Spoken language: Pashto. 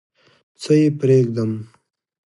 څه یې پرېږدم؟